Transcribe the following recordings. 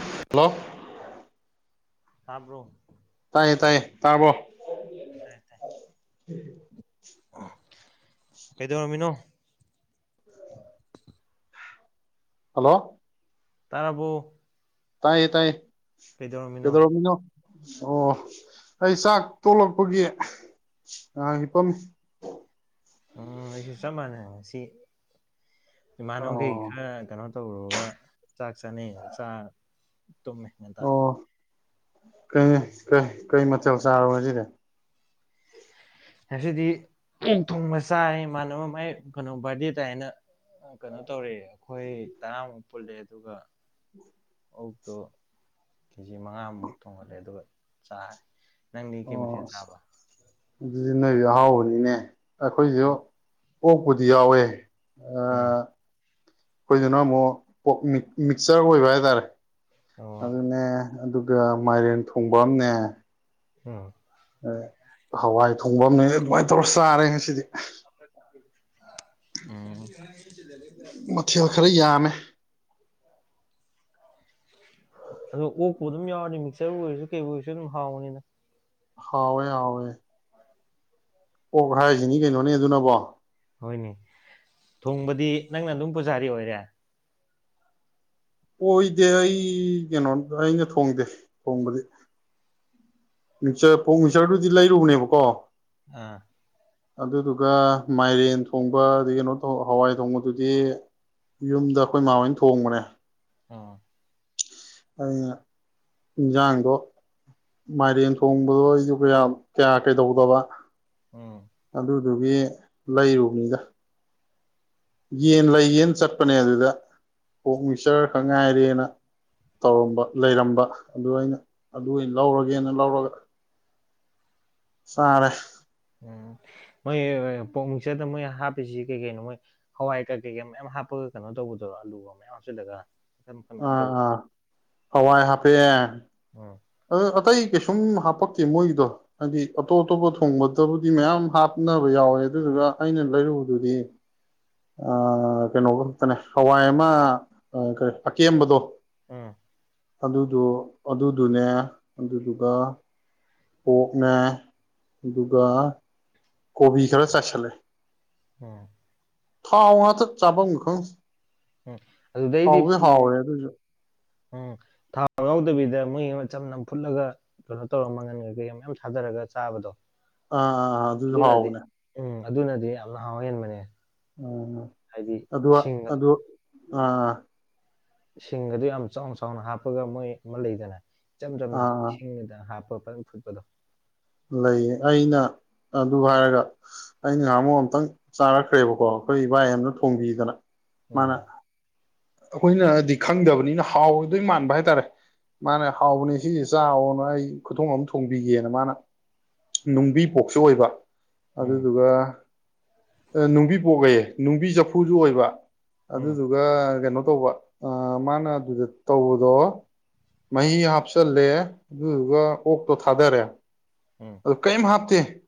ꯎꯝ hello ꯇꯥꯕ꯭ꯔꯣ ꯇꯥꯏꯌꯦ ꯇꯥꯏꯌꯦ ꯇꯥꯕ꯭ꯔꯣ ꯀꯩꯗꯧꯔꯝꯃꯤꯅꯣ ꯍꯜꯂꯣ ꯇꯥꯔꯕꯣ ꯇꯥꯏꯌꯦ ꯇꯥꯏꯌꯦ ꯀꯩꯗꯧꯔꯝꯃꯤꯅꯣ ꯑꯣ ꯑꯩ ꯆꯥꯛ ꯇꯣꯛꯂꯛꯄꯒꯤ ꯉꯥꯛ ꯍꯤꯄꯝꯃꯤ ꯎꯝ ꯑꯩꯁꯨ ꯆꯥꯞ ꯃꯥꯟꯅꯩ ꯏꯃꯥꯅꯕ ꯃꯈꯩ ꯑꯣ ꯈꯔ ꯀꯩꯅꯣ ꯇꯧꯔꯨꯔꯒ ꯆꯥꯛ ꯆꯥꯅꯩꯌꯦꯅ ꯆꯥꯔꯒ ꯇꯨꯝꯃꯦ ꯉꯟꯇꯥ ꯑꯣ ꯀꯩ ꯀꯩ ꯀꯩ ꯃꯊꯦꯜ ꯆꯥꯔꯕꯣ ꯉꯁꯤꯗꯤ ꯉꯁꯤꯗꯤ ꯊꯨꯡꯒ ꯆꯥꯔꯦ ꯢꯃꯥꯟꯅꯕ ꯃꯥꯏ ꯀꯩꯅꯣ ꯕꯥꯔꯗꯦ ꯇꯥꯏꯅ ꯀꯩꯅꯣ ꯇꯧꯔꯦ ꯑꯩꯈꯣꯏ ꯇꯔꯥꯃꯨꯛ ꯄꯨꯜꯂꯦ ꯑꯗꯨꯒ ꯎ [inaudible] ꯑꯣꯛꯇꯣ ꯀꯦꯖꯤ ꯃꯉꯥꯃꯨꯛ ꯊꯣꯡꯒꯥꯠꯂꯦ ꯑꯗꯨꯒ ꯆꯥꯔꯦ ꯅꯪꯗꯤ ꯀꯩ ꯑꯣ ꯃꯊꯦꯜ ꯑꯁ ꯆꯥꯕ ꯑꯗꯨꯗꯤ ꯅꯣꯏꯗꯤ ꯑꯍꯥꯎꯕꯅꯤꯅꯦ ꯑꯩꯈꯣꯏꯁꯨ ꯑꯣꯛꯄꯨꯗꯤ ꯌꯥꯎꯋꯦ ꯑꯥ ꯎꯝ ꯑꯩꯈꯣꯏꯗꯨꯅ ꯑꯃꯨꯛ ꯄꯣꯛ ꯃꯤꯛꯆꯔ ꯑꯣꯏꯕ ꯍꯥꯏꯇꯥꯔꯦ ꯑꯣ ꯑꯗꯨꯅꯦ ꯑꯗꯨꯒ ꯃꯥꯏꯔꯦꯟ ꯊꯣꯡꯕ ꯑꯃꯅꯦ ꯑꯝ ꯍꯋꯥꯏ ꯊꯣꯡꯕ ꯑꯃꯅꯦ ꯑꯗꯨꯃꯥꯏꯅ ꯇꯧꯔ ꯆꯥꯔꯦ ꯉꯁꯤꯗꯤ ꯎꯝ ꯃꯊꯦꯜ ꯈꯔ ꯌꯥꯝꯃꯦ ꯑꯗꯣ ꯑꯣꯛꯄꯨ ꯑꯗꯨꯝ ꯌꯥꯎꯔꯗꯤ ꯃꯤꯛꯆꯔꯕꯨ ꯑꯣꯏꯔꯁꯨ ꯀꯩꯕꯨ ꯑꯣꯏꯔꯁꯨ ꯑꯗꯨꯝ ꯍꯥꯎꯕꯅꯤꯗ ꯍꯧꯋꯦ ꯍꯧꯋꯦ ꯑꯣꯛ ꯍꯥꯏꯔꯤꯁꯤꯅꯤ ꯀꯩꯅꯣꯅꯦ ꯑꯗꯨꯅꯕꯣ ꯍꯣꯏꯅꯦ ꯊꯣꯡꯕꯗꯤ ꯅꯪꯅ ꯑꯗꯨꯝ ꯄꯨꯖꯥꯔꯤ ꯑꯣꯏꯔꯦ ꯑꯣꯏꯗꯦ ꯑꯩ ꯀꯩꯅꯣ ꯑꯩꯅ ꯊꯣꯡꯗꯦ ꯊꯣꯡꯕꯗꯤ ꯃꯤꯆꯔ ꯄꯣꯛ ꯃꯤꯆꯔꯗꯨꯗꯤ ꯂꯩꯔꯨꯕꯅꯦꯕꯀꯣ ꯑꯝ ꯑꯗꯨꯗꯨꯒ ꯃꯥꯏꯔꯦꯟ ꯊꯣꯡꯕ ꯑꯗꯩ ꯀꯩꯅꯣ ꯍꯋꯥꯏ ꯊꯣꯡꯕꯗꯨꯗꯤ ꯌꯨꯝꯗ ꯑꯩꯈꯣꯏ ꯃꯥ ꯍꯣꯏꯅ ꯊꯣꯡꯕꯅꯦ ꯑꯝ ꯑꯗꯨꯅ ꯏꯟꯁꯥꯡꯗꯣ ꯃꯥꯏꯔꯦꯟ ꯊꯣꯡꯕꯗꯣ ꯑꯩꯁꯨ ꯀꯌꯥ ꯀꯌꯥ ꯀꯩꯗꯧꯗꯕ ꯎꯝ ꯑꯗꯨꯗꯨꯒꯤ ꯂꯩꯔꯨꯕꯅꯤꯗ ꯎꯝ ꯌꯦꯟ ꯂꯩꯒꯦꯅ ꯆꯠꯄꯅꯦ ꯑꯗꯨꯗ ꯑꯣꯛ ꯃꯤꯛꯆꯔ ꯈꯛ ꯉꯥꯏꯔꯦꯅ ꯇꯧꯔꯝꯕ ꯂꯩꯔꯝꯕ ꯑꯗꯨ ꯑꯩꯅ ꯑꯗꯨ ꯑꯣꯏꯅ ꯂꯧꯔꯒꯦꯅ ꯂꯧꯔꯒ ꯆꯥꯔꯦ ꯎꯝ ꯃꯣꯏ ꯄꯣꯛ ꯃꯤꯡꯆꯔꯗ ꯃꯣꯏ ꯍꯥꯞꯄꯤꯁꯤ ꯀꯩ ꯀꯩꯅꯣ ꯃꯣꯏ ꯍꯋꯥꯏ ꯀꯥ ꯀꯩꯀꯥ ꯃꯌꯥꯝ ꯍꯥꯞꯄꯒ ꯀꯩꯅꯣ ꯇꯧꯕꯗꯨꯔꯣ ꯑꯂꯨꯒ ꯃꯌꯥꯝ ꯍꯥꯞꯆꯤꯜꯂꯒ ꯃꯈꯟ ꯃꯈꯟ ꯃꯌꯥꯝ ꯑꯥ ꯇꯧꯕꯗꯣ ꯑꯥ ꯍꯋꯥꯏ ꯍꯥꯞꯄꯦ ꯎꯝ ꯑꯗ ꯑꯇꯩ ꯀꯩꯁꯨꯝ ꯍꯥꯞꯄꯛꯇꯦ ꯃꯣꯏꯒꯤꯗꯣ ꯍꯥꯏꯗꯤ ꯑꯇꯣꯞ ꯑꯇꯣꯞꯄ ꯊꯣꯡꯕꯗꯕꯨꯗꯤ ꯃꯌꯥꯝ ꯍꯥꯞꯅꯕ ꯌꯥꯎꯋꯦ ꯑꯗꯨꯗꯨꯒ ꯑꯩꯅ ꯂꯩꯔꯨꯕꯗꯨꯗꯤ [inaudible] ꯑꯥ ꯀꯩꯅꯣ ꯈꯛꯇꯅꯦ ꯍꯋꯥꯏ ꯑꯃ ꯑ ꯀꯔꯤ ꯑꯀꯦꯝꯕꯗꯣ ꯎꯝ ꯑꯗꯨꯗꯣ ꯑꯗꯨꯗꯨꯅꯦ ꯑꯗꯨꯗꯨꯒ ꯄꯣꯛꯅꯦ ꯑꯗꯨꯒ ꯀꯣꯕꯤ ꯈꯔ ꯆꯥꯏꯁꯤꯜꯂꯦ ꯑꯣ ꯊꯥꯎꯉꯥꯛꯇ ꯆꯥꯕꯝꯒ ꯈꯪꯗꯦ ꯎꯝ ꯑꯗꯨ ꯗꯩꯗꯤ ꯍꯥꯎꯕꯨꯗꯤ ꯍꯥꯎꯋꯦ [unintelligible] ꯑꯗꯨꯁꯨ [inaudible] ꯎꯝ ꯊꯥ ꯌꯥꯎꯗꯕꯤꯗ ꯃꯣꯏꯒꯤ ꯑꯃ ꯆꯝꯅ ꯐꯨꯠꯂꯒ ꯀꯩꯅꯣ ꯇꯧꯔꯒ ꯃꯪꯒꯟ ꯀꯩꯀꯩ ꯌꯥꯝ ꯃꯌꯥꯝ ꯊꯥꯗꯔꯒ ꯆꯥꯕꯗꯣ ꯑꯥ ꯑꯥ ꯑꯥ ꯑꯗꯨꯖꯨ ꯑꯗꯨꯅꯗꯤ ꯍꯥꯎꯕꯅꯦ ꯎꯝ ꯑꯗꯨꯅꯗꯤ ꯌꯥꯝꯅ ꯍꯥꯎ ꯍꯦꯟꯕꯅꯦ ꯎꯝ ꯎꯝ ꯍꯥꯏꯗꯤ ꯑꯗꯨ ꯁꯤꯡ ꯑꯗꯨ ꯑꯥ ꯑꯥ ꯁꯤꯡꯒꯗꯨ ꯌꯥꯝ ꯆꯥꯎꯅ ꯆꯥꯎꯅ ꯍꯥꯞꯄꯒ ꯃꯣꯏ ꯑꯃ ꯂꯩꯗꯥꯏꯅꯦ ꯏꯆꯝ ꯆꯝꯅ ꯑꯥ ꯏꯁꯤꯡꯗ ꯍꯥꯞꯄꯒ ꯐꯖꯟ ꯐꯨꯠꯄꯗꯣ ꯂꯩꯌꯦ ꯑꯩꯅ ꯑꯗꯨ ꯍꯥꯏꯔꯒ ꯑꯩ ꯉꯍꯥꯃꯨꯛ ꯑꯝꯇꯪ ꯆꯥꯔꯛꯈ꯭ꯔꯦꯕꯀꯣ ꯑꯩꯈꯣꯏ ꯏꯕꯥꯏ ꯑꯃꯅ ꯊꯣꯡꯕꯤꯗꯅ ꯎꯝ ꯑꯈꯣꯏꯅꯗꯤ ꯈꯪꯗꯕꯅꯤꯅ ꯍꯥꯎꯗꯣꯏ ꯃꯥꯟꯕ ꯍꯥꯏꯇꯥꯔꯦ ꯃꯥꯅ ꯍꯥꯎꯕꯅꯦ ꯁꯤꯖꯤ ꯆꯥꯎꯑꯦꯅ ꯑꯩ ꯈꯨꯊꯣꯡ ꯑꯃ ꯊꯣꯡꯕꯤꯒꯦꯅ ꯃꯥꯅ ꯅꯨꯡꯕꯤ ꯄꯣꯛꯁꯨ ꯑꯣꯏꯕ ꯎꯝ ꯑꯗꯨꯗꯨꯒ ꯑꯦ ꯅꯨꯡꯕꯤ ꯄꯣꯛꯑꯌꯦ ꯅꯨꯡꯕꯤ ꯆꯐꯨꯗꯨ ꯑꯣꯏꯕ ꯎꯝ ꯑꯗꯨꯗꯨꯒ ꯀꯩꯅꯣ ꯇꯧꯕ ꯑꯥ ꯃꯥꯅ ꯑꯗꯨꯗ ꯇꯧꯕꯗꯣ ꯃꯍꯤ ꯍꯥꯞꯆꯜꯂꯦ ꯑꯗꯨꯗꯨꯒ ꯑꯣꯛꯇꯣ ꯊꯥꯗꯔꯦ ꯎꯝ ꯑꯀꯩꯝ ꯍꯥꯞꯇꯦ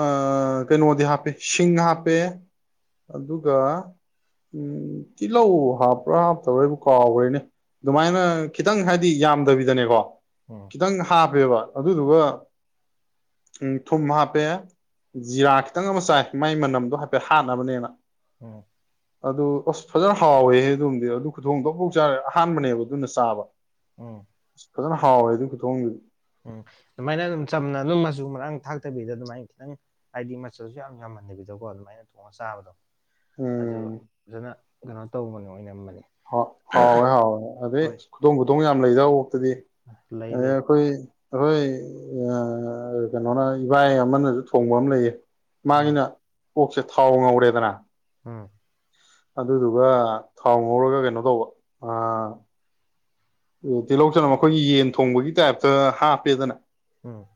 ꯑꯥ ꯀꯩꯅꯣꯗꯤ ꯍꯥꯞꯄꯦ ꯁꯤꯡ ꯍꯥꯞꯄꯦ ꯑꯗꯨꯒ ꯎꯝ ꯇꯤꯜꯂꯧ ꯍꯥꯞꯄ꯭ꯔꯥ ꯍꯥꯞꯇꯕ꯭ꯔꯥ ꯑꯩꯕꯨ ꯀꯥꯎꯒ꯭ꯔꯦꯅꯦ ꯗꯨꯃꯥꯏꯅ ꯈꯤꯇꯪ ꯍꯥꯏꯗꯤ ꯌꯥꯝꯗꯕꯤꯗꯅꯦꯀꯣ ꯎꯝ ꯈꯤꯇꯪ ꯍꯥꯞꯄꯦꯕ ꯑꯗꯨꯗꯨꯒ ꯎꯡ ꯊꯨꯝ ꯍꯥꯞ ꯄꯦ ꯖꯤꯔꯥ ꯈꯤꯇꯪ ꯑꯃ ꯆꯥꯏ ꯃꯥꯏ ꯃꯅꯝꯗꯣ ꯍꯥꯏꯐꯦꯠ ꯍꯥꯠꯅꯕꯅꯦꯅ ꯎꯝ ꯑꯗꯨ ꯑꯁ ꯐꯖꯟ ꯍꯥꯎꯋꯦꯍꯦ ꯑꯗꯨꯝꯗꯤ ꯑꯗꯨ ꯈꯨꯊꯣꯡꯗꯣ ꯕꯨꯛ ꯕꯨꯛ ꯆꯥꯔꯦ ꯑꯍꯥꯟꯕꯅꯦꯕ ꯑꯗꯨꯅ ꯆꯥꯕ ꯎꯝ ꯐꯖꯟꯅ ꯍꯥꯎꯋꯦ ꯑꯗꯨꯏ ꯈꯨꯊꯣꯡꯗꯨꯗꯤ ꯎꯝ ꯑꯗꯨꯃꯥꯏꯅ ꯑꯗꯨꯝ ꯆꯝꯅ ꯑꯗꯨꯝ ꯃꯆꯨ ꯃꯔꯥꯡ ꯊꯥꯛꯇꯕꯤꯗ ꯑꯗꯨꯃꯥꯏꯅ ꯈꯤꯇꯪ ꯍꯥꯏꯗꯤ ꯃꯆꯜꯖꯨ ꯌꯥꯝ ꯌꯥꯝꯃꯟꯗꯕꯤꯗꯀꯣ ꯑꯗꯨꯃꯥꯏꯅ ꯊꯣꯡꯉꯒ ꯆꯥꯕꯗꯣ ꯑꯗꯨ ꯎꯝ ꯐꯖꯅ ꯀꯩꯅꯣ ꯇꯧꯕꯅꯦ ꯑꯣꯏꯅꯝꯕꯅꯤ ꯍꯥꯎ ꯍꯥꯎꯔꯦ ꯍꯥꯎꯋꯦ ꯑꯗꯩ ꯈꯨꯗꯣꯡ ꯈꯨꯗꯣꯡ ꯌꯥꯝ ꯂꯩꯗꯥ ꯑꯣꯛ ꯑꯗꯨꯗꯤ ꯂꯩ ꯑꯗꯩꯩ ꯂꯩ ꯑꯩꯈꯣꯏ ꯑꯩꯈꯣꯏ ꯑꯥ ꯀꯩꯅꯣꯅ ꯏꯕꯥꯏ ꯑꯃꯅꯁꯨ ꯊꯣꯡꯕ ꯑꯃ ꯂꯩꯌꯦ ꯎꯝ ꯃꯥꯒꯤꯅ ꯑꯣꯛꯁꯦ ꯊꯥꯎ ꯉꯧꯔꯦꯗꯅ ꯎꯝ ꯑꯗꯨꯗꯨꯒ ꯊꯥꯎ ꯉꯧꯔꯒ ꯀꯩꯅꯣ ꯇꯧꯕ ꯑꯥ ꯎꯝ ꯇꯤꯜꯍꯧ ꯆꯅꯝ ꯑꯩꯈꯣꯏꯒꯤ ꯌꯦꯟ ꯊꯣꯡꯕꯒꯤ ꯇꯥꯏ꯭ꯞꯇ ꯍꯥꯞꯄꯦꯗꯅ ꯎꯝ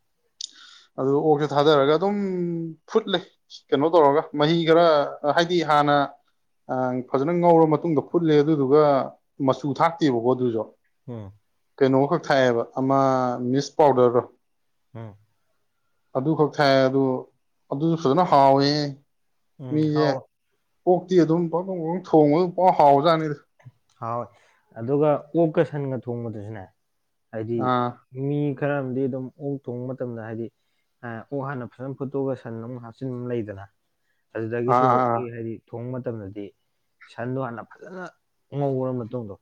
ꯑꯗꯨ ꯑꯣꯛꯁꯦ ꯊꯥꯗꯔꯒ ꯑꯗꯨꯝ ꯐꯨꯠ ꯂꯦ ꯀꯩꯅꯣ ꯇꯧꯔꯒ ꯃꯍꯤ ꯈꯔ ꯍꯥꯏꯗꯤ ꯍꯥꯟꯅ ꯑ ꯐꯖꯅ ꯉꯧꯔ ꯃꯇꯨꯡꯗ ꯐꯨꯠꯂꯦ ꯑꯗꯨꯗꯨꯒ ꯃꯆꯨ ꯊꯥꯛꯇꯦꯕꯀꯣ ꯑꯗꯨꯖꯨ ꯎꯝ ꯀꯩꯅꯣꯈꯛ ꯊꯥꯛꯑꯦꯕ ꯑꯃ ꯃꯤꯁ ꯄꯥꯎꯗꯔꯔꯣ ꯎꯝ ꯑꯗꯨ ꯈꯛ ꯊꯥꯛ ꯑꯦ ꯑꯗꯨ ꯑꯗꯨꯖꯨ ꯐꯖꯅ ꯍꯥꯎꯋꯦꯍꯦ ꯎꯝ ꯃꯤꯖꯦ ꯍꯥꯎꯋꯦ ꯑꯣꯛꯇꯤ ꯑꯗꯨꯝ ꯄꯪꯊꯣꯡ ꯄꯪꯊꯣꯡ ꯊꯣꯡꯉꯒ ꯄꯪꯍꯥꯎ ꯍꯥꯎꯔꯖꯥꯠꯅꯤꯗ ꯍꯥꯎꯋꯦ ꯑꯗꯨꯒ ꯑꯣꯞꯀ ꯁꯟꯒ ꯊꯣꯡꯕꯗꯖꯨꯅꯦ ꯍꯥꯏꯗꯤ ꯑꯥ ꯃꯤ ꯈꯔ ꯑꯝꯗꯤ ꯑꯗꯨꯝ ꯑꯣꯛ ꯊꯣꯡꯕ ꯃꯇꯝꯗ ꯍꯥꯏꯗꯤ ꯑ ꯑꯣꯛ ꯍꯥꯟꯅ ꯐꯖꯅ ꯐꯨꯠꯇꯣꯛꯑꯒꯥꯥ ꯁꯟ ꯑꯃ ꯍꯥꯞꯆꯤꯟꯕ ꯂꯩꯗꯅ ꯑꯥ ꯑꯗꯨꯗꯒꯤꯁꯨ ꯑꯥ ꯀꯦ ꯑꯥ ꯍꯥꯏꯗꯤ ꯊꯣꯡꯕ ꯃꯇꯝꯗꯗꯤ ꯁꯟꯗꯣ ꯍꯥꯟꯅ ꯐꯖꯅ ꯉꯧꯔ ꯃꯇꯨꯡꯗꯣ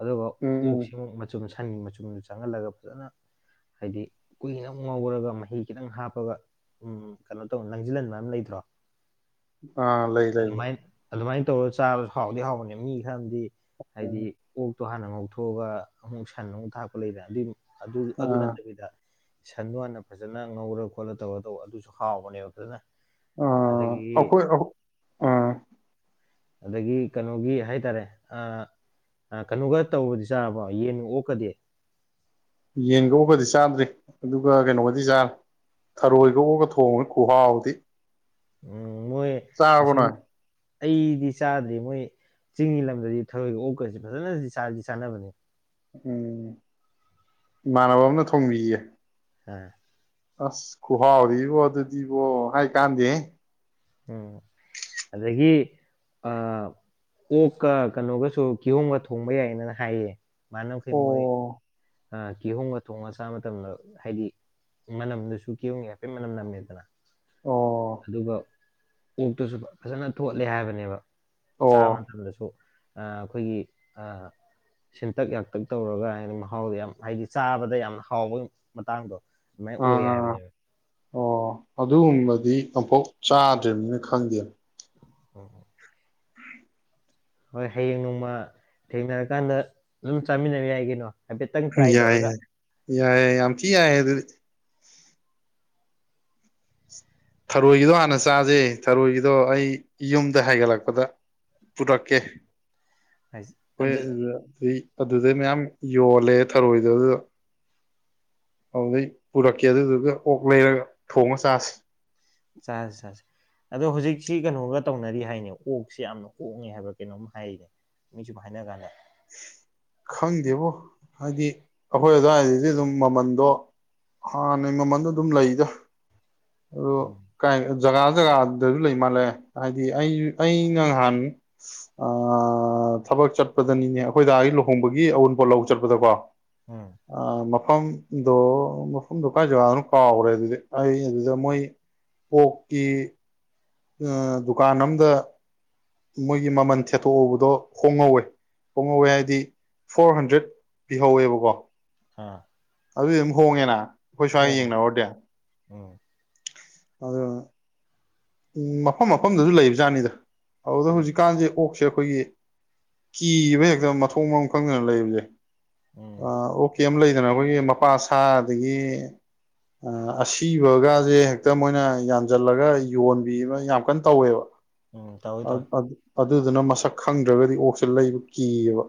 ꯑꯗꯨꯒ ꯎꯝ ꯎꯝ ꯑꯣꯛꯁꯤ ꯃꯆꯨ ꯃꯁꯥꯏ ꯃꯆꯨꯝꯗꯨ ꯆꯪꯍꯜꯂꯒ ꯐꯖꯅ ꯍꯥꯏꯗꯤ ꯀꯨꯏꯅ ꯑꯃꯨꯛ ꯉꯧꯔꯒ ꯃꯍꯤ ꯈꯤꯇꯪ ꯍꯥꯞꯄꯒ ꯎꯝ ꯀꯩꯅꯣ ꯇꯧ ꯂꯪꯖꯤꯜꯍꯟꯕꯃꯥ ꯂꯩꯇ꯭ꯔꯣ ꯑꯥ ꯂꯩ ꯂꯩ ꯂꯩ ꯑꯗꯨꯃꯥꯏ꯭ꯟ ꯇꯧꯔ ꯆꯥꯕꯖꯨ ꯍꯥꯎꯗꯤ ꯍꯥꯎꯕꯅꯦ ꯃꯤ ꯈꯔꯑꯝꯗꯤ ꯍꯥꯏꯗꯤ ꯑꯣꯛꯇꯣ ꯍꯥꯟꯅ ꯉꯧꯊꯣꯛꯑꯒ ꯑꯃꯨꯛ ꯁꯟ ꯑꯃꯨꯛ ꯊꯥꯛꯄ ꯂꯩꯗꯅ ꯑꯗꯨꯏ ꯑꯗꯨ ꯑꯗꯨ ꯑꯥ ꯅꯠꯇꯕꯤꯗ ꯁꯟꯗꯣ ꯍꯥꯟꯅ ꯐꯖꯅ ꯉꯧꯔ ꯈꯣꯠꯂ ꯇꯧꯔ ꯇꯧꯕ ꯑꯗꯨꯁꯨ ꯍꯥꯎꯕꯅꯦꯕ ꯐꯖꯅ ꯑꯝ ꯑꯗꯒꯤ ꯑꯈꯣꯏ ꯑꯩꯈꯣ ꯑꯗꯒꯤ ꯀꯩꯅꯣꯒꯤ ꯍꯥꯏꯇꯥꯔꯦ ꯑ ꯑꯥ ꯀꯩꯅꯣꯒ ꯇꯧꯕꯗꯤ ꯆꯥꯔꯕꯣ ꯌꯦꯟꯒ ꯑꯣꯛꯀꯗꯤ ꯌꯦꯟꯒ ꯑꯣꯛꯀꯗꯤ ꯆꯥꯗ꯭ꯔꯤ ꯑꯗꯨꯒ ꯀꯩꯅꯣꯒꯗꯤ ꯆꯥꯔꯦ ꯊꯔꯣꯏꯒ ꯑꯣꯛꯒ ꯊꯣꯡꯉ ꯈꯨꯨꯍꯥꯎꯗꯤ ꯎꯝ ꯃꯣꯏ ꯑꯁꯤ ꯅꯣꯏ ꯑꯩꯗꯤ ꯆꯥꯗ꯭ꯔꯤ ꯃꯣꯏ ꯆꯤꯡꯒꯤ ꯂꯝꯗꯗꯤ ꯊꯔꯣꯏꯒ ꯑꯣꯛꯀꯁꯤ ꯐꯖꯅꯗꯤ ꯆꯥꯗꯤ ꯆꯥꯅꯕꯅꯤ ꯎꯝ ꯏꯃꯥꯟꯅꯕ ꯑꯃꯅ ꯊꯣꯡꯕꯤꯌꯦ ꯑꯥ ꯑꯁ ꯈꯨꯍꯥꯎꯗꯤꯕꯣ ꯑꯗꯨꯗꯤꯕꯣ ꯍꯥꯏ ꯀꯥꯟꯗꯦꯍꯦ ꯎꯝ ꯑꯗꯒꯤ ꯑ ꯑꯣꯛꯀ ꯀꯩꯅꯣꯒꯁꯨ ꯀꯤꯍꯣꯡꯝꯒ ꯊꯣꯡꯕ ꯌꯥꯏꯅꯅ ꯍꯥꯏꯌꯦ ꯃꯥꯅꯖꯤꯛ ꯃꯣꯏ ꯑꯣ ꯀꯤꯍꯣꯡꯒ ꯊꯣꯡꯉꯒ ꯆꯥ ꯃꯇꯝꯗ ꯍꯥꯏꯗꯤ ꯃꯅꯝꯗꯨꯁꯨ ꯀꯤꯌꯣꯒꯦ ꯍꯥꯏꯐꯦꯠ ꯃꯅꯝ ꯅꯝꯃꯦꯗꯅ ꯑꯣ ꯑꯗꯨꯒ ꯑꯣꯛꯇꯨꯁꯨ ꯐꯖꯅ ꯊꯣꯠꯂꯦ ꯍꯥꯏꯕꯅꯦꯕ ꯑꯣ ꯆꯥꯕ ꯃꯇꯝꯗꯁꯨ ꯑ ꯑꯩꯈꯣꯏꯒꯤ ꯑ ꯁꯦꯟꯇꯛ ꯌꯥꯡꯇꯛ ꯇꯧꯔꯒ ꯍꯥꯏꯕ ꯃ ꯍꯥꯎ ꯌꯥꯝ ꯍꯥꯏꯗꯤ ꯆꯥꯕꯗ ꯌꯥꯝꯅ ꯍꯥꯎꯕ ꯃꯇꯥꯡꯗꯣ ꯑꯗꯨꯃꯥꯏꯅ ꯑꯣꯏ ꯑꯥꯥ ꯍꯥꯏꯕꯅꯦꯕ ꯑꯣ ꯑꯗꯨꯒꯨꯝꯕꯗꯤ ꯑꯃꯝꯐꯥꯎ ꯆꯥꯗ꯭ꯔꯤꯕꯔꯤꯕꯅꯤꯅ ꯈꯪꯗꯦ [unintelligible] ꯍꯣꯏ ꯍꯌꯦꯡ ꯅꯣꯡꯃ ꯊꯦꯡꯅꯔꯀꯥꯟꯗ ꯑꯗꯨꯝ ꯆꯥꯃꯤꯟꯅꯕ ꯌꯥꯏ ꯀꯩꯅꯣ ꯍꯥꯏꯐꯦꯠꯇꯪ ꯇ꯭ꯔꯥꯏ ꯌꯥꯏ ꯇꯧꯔꯒ ꯌꯥꯏꯌꯦ ꯌꯥꯝꯊꯤ ꯌꯥꯏ ꯑꯗꯨꯗꯤ ꯊꯔꯣꯏꯒꯤꯗꯣ ꯍꯥꯟꯅ ꯆꯥꯖꯩ ꯊꯔꯣꯏꯒꯤꯗꯣ ꯑꯩ ꯌꯨꯝꯗ ꯍꯥꯏꯒꯠꯂꯛꯄꯗ ꯄꯨꯨꯔꯛ ꯀꯦ ꯍꯣꯏ ꯑꯗꯨ ꯑꯗꯨꯗ ꯑꯗꯨꯗꯩ ꯃꯌꯥꯝ ꯌꯣꯜꯂꯦ ꯊꯔꯣꯏꯗꯣ ꯑꯗꯨꯗ__ ꯑꯗꯨꯗꯩ ꯄꯨꯔꯛꯀꯦ ꯑꯗꯨꯗꯨꯒ ꯑꯣꯛ ꯂꯩꯔꯒ ꯊꯣꯡꯉ ꯆꯁꯤ ꯆꯥꯖꯦ ꯆꯥꯁꯦ ꯑꯗꯣ ꯍꯧꯖꯤꯛꯁꯤ ꯀꯩꯅꯣꯒ ꯇꯧꯅꯔꯤ ꯍꯥꯏꯅꯦ ꯑꯣꯛꯁꯤ ꯌꯥꯝꯅ ꯍꯣꯡꯉꯦ ꯍꯥꯏꯕ ꯀꯩꯅꯣꯝ ꯍꯥꯏꯔꯤꯅꯦ ꯃꯤ ꯁꯨꯝ ꯍꯥꯏꯅ ꯀꯥꯟꯅ ꯈꯪꯗꯦꯕꯣ ꯍꯥꯏꯗꯤ ꯑꯩꯈꯣꯏ ꯑꯗꯨꯋꯥꯏꯗꯗꯤ ꯑꯗꯨꯝ ꯃꯃꯟꯗꯣ__ ꯍꯥꯟꯅꯩ ꯃꯃꯜꯗꯣ ꯑꯗꯨꯝ ꯂꯩꯗ ꯑꯣ__ ꯎꯝ ꯀꯥꯢ ꯖꯒꯥ ꯖꯒꯥꯗꯖꯨ ꯂꯩ ꯃꯥꯜꯂꯦ ꯍꯥꯏꯗꯤ ꯑꯩ ꯑꯩꯅ ꯅꯍꯥꯟ__ ꯑꯑꯑꯑ ꯊꯕꯛ ꯆꯠꯄꯗꯅꯤꯅꯦ ꯑꯩꯈꯣꯏꯗꯥꯒꯤ ꯂꯨꯍꯣꯡꯕꯒꯤ ꯑꯎꯟꯄꯣꯠ ꯂꯧ ꯆꯠꯄꯗꯀꯣ__ ꯎꯝ ꯑ ꯃꯐꯝꯗꯣ ꯃꯐꯝꯗꯣ ꯀꯥꯏ ꯖꯒꯥꯗꯅꯣ ꯀꯥꯎꯒ꯭ꯔꯦ ꯑꯗꯨꯗꯤ ꯑꯩ ꯑꯗꯨꯗ__ ꯃꯣꯏ ꯄꯣꯛꯀꯤ ꯑ ꯗꯨꯀꯥꯟ ꯑꯝꯗ ꯃꯣꯏꯒꯤ ꯃꯃꯟ ꯊꯦꯠꯇꯣꯛꯎꯕꯗꯣ ꯍꯣꯡꯍꯧꯋꯦ ꯍꯣꯡꯉꯧꯋꯦ ꯍꯥꯏꯗꯤ ꯐꯣꯔ ꯍꯟꯗ꯭ꯔꯦꯠ ꯄꯤꯍꯧꯋꯦꯕꯀꯣ ꯑꯥ ꯑꯗꯨꯗꯤ ꯑꯗꯨꯝ ꯍꯣꯡꯉꯦꯅ ꯑꯩꯈꯣꯏ ꯁ꯭ꯋꯥꯏꯒ ꯌꯦꯡꯅꯔꯨꯔꯗꯤ ꯎꯝ [unintelligible] ꯎꯝ ꯃꯐꯝ ꯃꯐꯝꯗꯖꯨ ꯂꯩꯕ ꯖꯥꯠꯅꯤꯗ ꯑꯗꯨꯗ ꯎꯝ ꯍꯧꯖꯤꯛꯀꯥꯟꯖꯦ ꯑꯣꯛꯁꯦ ꯑꯩꯈꯣꯏꯒꯤ__ ꯀꯤꯌꯦꯕ ꯍꯦꯛꯇ ꯃꯊꯣꯡ ꯃꯕꯝ ꯈꯪꯗꯅ ꯂꯩꯕꯖꯦ ꯑ ꯎꯝ ꯑꯣꯛ ꯀꯩꯝ ꯂꯩꯗꯅ ꯑꯩꯈꯣꯏꯒꯤ ꯃꯄꯥ ꯁ ꯑꯗꯒꯤ__ ꯑ ꯑꯁꯤꯕꯒꯁꯦ ꯍꯦꯛꯇ ꯃꯣꯏꯅ ꯌꯥꯟꯁꯤꯜꯂꯒ__ ꯌꯣꯟꯕꯤ ꯑꯃ ꯌꯥꯝ ꯀꯟꯅ ꯇꯧꯋꯦꯕ ꯎꯝ ꯎꯝ ꯇꯧꯋꯤ ꯇꯧꯋꯤ ꯑꯑꯗꯨ ꯑꯗꯨꯗꯨꯅ ꯃꯁꯛ ꯈꯪꯗ꯭ꯔꯒꯗꯤ ꯑꯣꯛꯁꯦ ꯂꯩꯕ ꯀꯤꯌꯦꯕ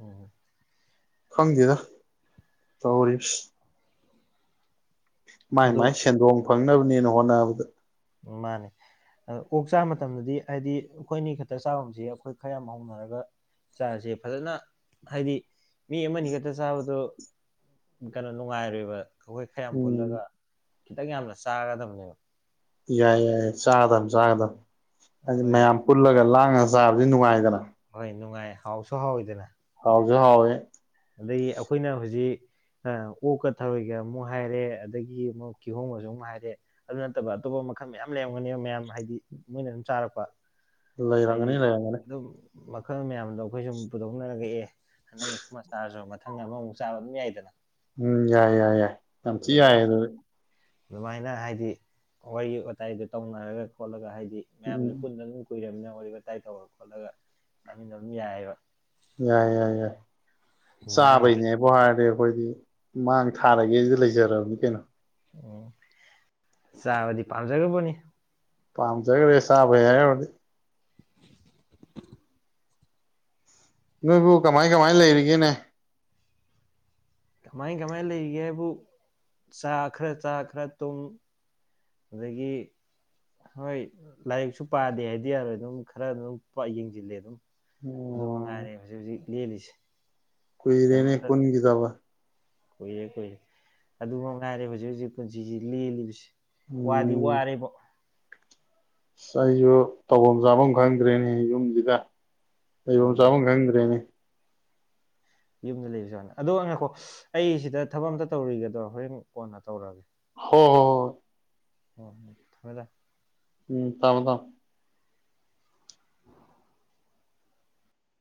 ꯎꯝ [unintelligible] ꯈꯪꯗꯦꯗ ꯇꯧꯔꯤꯁꯤꯢ ꯃꯥꯏ ꯑꯗꯨ ꯃꯥꯏ ꯁꯦꯟꯗꯣꯡ ꯐꯪꯅꯕꯅꯦꯅ ꯍꯣꯠꯅꯕꯗ ꯎꯝ ꯃꯥꯅꯦ ꯑꯗ ꯑꯣꯛ ꯆꯥꯕ ꯃꯇꯝꯗꯗꯤ ꯍꯥꯏꯗꯤ ꯑꯩꯈꯣꯏ ꯑꯅꯤ ꯈꯛꯇ ꯆꯥꯒꯨꯝꯖꯦ ꯑꯩꯈꯣꯏ ꯈꯔ ꯌꯥꯝ ꯍꯧꯅꯔꯒ__ ꯆꯥꯖꯦ ꯐꯖꯅ ꯍꯥꯏꯗꯤ ꯃꯤ ꯑꯃꯅꯤ ꯈꯛꯇ ꯆꯥꯕꯗꯣ__ ꯀꯩꯅꯣ ꯅꯨꯡꯉꯥꯏꯔꯤꯕ ꯑꯩꯈꯣꯏ ꯈꯔ ꯌꯥꯝ ꯄꯨꯜꯂꯒ ꯎꯝ ꯈꯤꯇꯪ ꯌꯥꯝꯅ ꯆꯥꯒꯗꯕꯅꯦꯕ ꯌꯥꯏ ꯌꯥꯏ ꯆꯥꯒꯗꯝꯕ ꯆꯥꯒꯗꯝꯕ ꯍꯥꯏꯗꯤ ꯑꯩꯈꯣꯏ ꯃꯌꯥꯝ ꯄꯨꯜꯂꯒ ꯂꯥꯡꯉꯒ ꯆꯥꯕꯗꯤ ꯅꯨꯡꯉꯥꯏꯗꯅ ꯍꯣꯏ ꯅꯨꯡꯉꯥꯏ ꯍꯥꯎꯁꯨ ꯍꯥꯎꯋꯤꯗꯅ ꯍꯥꯎꯖꯨ ꯍꯥꯎꯋꯦ ꯑꯗꯩ ꯑꯩꯈꯣꯏꯅ ꯍꯨꯖꯤꯛ ꯑꯣꯛꯀ ꯊꯔꯣꯏꯒ ꯑꯃꯨꯛ ꯍꯥꯏꯔꯦ ꯑꯗꯒꯤ ꯑꯃꯨꯛ ꯀꯤꯍꯣꯝꯒꯁꯨ ꯑꯃꯨꯛ ꯍꯥꯏꯔꯦ ꯑꯗꯨ ꯅꯠꯇꯕ ꯑꯇꯣꯞꯄ ꯃꯈꯜ ꯃꯌꯥꯝ ꯂꯩꯔꯝꯒꯅꯤꯕ ꯃꯌꯥꯝ ꯍꯥꯏꯗꯤ ꯃꯣꯏꯅ ꯑꯗꯨꯝ ꯆꯥꯔꯛꯄ ꯍꯥꯏꯗꯤ ꯂꯩꯔꯝꯒꯅꯤ ꯂꯩꯔꯝꯒꯅꯤ ꯑꯗꯨꯝ ꯃꯈꯜ ꯃꯌꯥꯝꯗꯣ ꯑꯈꯣꯏ ꯁꯨꯝ ꯄꯨꯊꯣꯛꯅꯔꯒ ꯑꯦ ꯅꯪꯅ ꯁꯨꯃꯥꯏ ꯁꯨꯝ ꯆꯥꯔꯁꯨ ꯃꯊꯪ ꯑꯃꯃꯨꯛ ꯆꯥꯕ ꯑꯗꯨꯝ ꯌꯥꯏꯗꯅ ꯎꯝ ꯌꯥꯏ ꯌꯥꯏ ꯌꯥꯏ ꯌꯥꯝ ꯊꯤ ꯑꯗꯨ ꯂꯣꯏ ꯌꯥꯏ ꯑꯗꯨꯗꯤ ꯑꯗꯨꯃꯥꯏꯅ ꯍꯥꯏꯗꯤ ꯋꯥꯔꯤ ꯋꯥꯇꯥꯏꯗꯨ ꯇꯧꯅꯔꯒ ꯈꯣꯠꯂꯒ ꯍꯥꯏꯗꯤ ꯃꯌꯥꯝꯁꯨ ꯎꯝ ꯄꯨꯟꯗ ꯑꯗꯨꯝ ꯀꯨꯏꯔꯕꯃꯤꯅ ꯋꯥꯔꯤ ꯋꯥꯇꯥꯏ ꯇꯧꯔ ꯈꯣꯠꯂꯒ ꯆꯥꯃꯤꯟꯅꯕꯝ ꯌꯥꯏꯌꯦꯕ ꯌꯥꯏ ꯌꯥꯏ ꯌꯥꯏ ꯑꯗꯨꯃꯥꯏꯅ ꯑꯃꯨꯛꯇꯪ ꯆꯥꯕꯩꯅꯦꯕ ꯋꯥꯔꯤꯕꯨ ꯍꯥꯏꯔꯗꯤ ꯑꯈꯣꯏꯗꯤ ꯃꯥꯡ ꯊꯥꯔꯒꯦꯁꯤ ꯂꯩꯖꯔꯕꯅꯤ ꯀꯩꯅꯣ ꯎꯝ ꯆꯥꯕꯗꯤ ꯄꯥꯝꯖꯒ꯭ꯔꯄꯣꯠꯅꯤ ꯄꯥꯝꯖꯒ꯭ꯔꯦ ꯆꯥꯕꯩ ꯍꯥꯏꯔꯨꯔꯗꯤ ꯅꯣꯏꯕꯨ ꯀꯃꯥꯏ ꯀꯃꯥꯏ ꯂꯩꯔꯤꯒꯦꯅꯦ ꯀꯃꯥꯏ ꯀꯃꯥꯏꯅ ꯂꯩꯔꯤꯒꯦ ꯍꯥꯏꯕꯨ ꯆꯥ ꯈꯔ ꯆꯥ ꯈꯔ ꯇꯨꯝ ꯑꯗꯒꯤ ꯍꯣꯏ ꯂꯥꯏꯔꯤꯛꯁꯨ ꯄꯥꯗꯦ ꯍꯥꯏꯗꯤ ꯌꯥꯔꯣꯏ ꯑꯗꯨꯝ ꯈꯔ ꯑꯗꯨꯝ ꯌꯦꯡꯖꯤꯜꯂꯦ ꯑꯗꯨꯝ ꯑꯣ ꯑꯗꯨ ꯃꯉꯥꯏꯔꯦ ꯍꯧꯖꯤꯛ ꯍꯧꯖꯤꯛ ꯂꯦꯜꯂꯤꯁꯦ ꯀꯨꯏ ꯑꯗꯨ ꯔꯦꯅꯦ ꯄꯨꯟꯒꯤꯗꯕ ꯀꯨꯏꯔꯦ ꯀꯨꯏꯔꯦ ꯑꯗꯨꯃꯉꯥꯏꯔꯦ ꯍꯧꯖꯤꯛ ꯍꯧꯖꯤꯛ ꯄꯨꯟꯁꯤꯁꯤ ꯂꯦꯜꯂꯤꯕꯁꯤ ꯋꯥꯠ ꯎꯝ ꯋꯥꯔꯦꯕꯣ ꯑꯁ ꯑꯩꯁꯨ ꯇꯧꯐꯝ ꯆꯥꯐꯝ ꯈꯪꯗ꯭ꯔꯦꯅꯦ ꯌꯨꯝꯁꯤꯗ ꯂꯩꯩꯐꯝ ꯎꯝ ꯆꯥꯐꯝ ꯈꯪꯗ꯭ꯔꯦꯅꯦ ꯌꯨꯝꯗ ꯂꯩꯕꯖꯥꯠꯂꯥ ꯑꯗꯣ ꯉꯥꯏꯀꯣ ꯑꯩ ꯁꯤꯗ ꯊꯕꯛ ꯑꯝꯇ ꯇꯧꯔꯨꯈꯤꯒꯦ ꯍꯣꯔꯦꯟ ꯀꯣꯟꯅ ꯇꯧꯔꯛꯑꯒꯦ ꯍꯣꯍꯣꯍꯣ ꯑꯣ ꯊꯝꯃꯦ ꯊꯝꯃꯦ ꯎꯝ ꯇꯥꯃꯣꯇꯥꯃꯣ